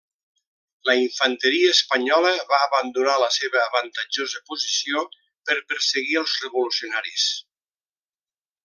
La infanteria espanyola va abandonar la seva avantatjosa posició per perseguir els revolucionaris.